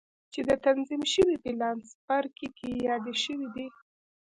چې د تنظيم شوي پلان په څپرکي کې يادې شوې دي.